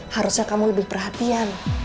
harusnya kamu lebih perhatian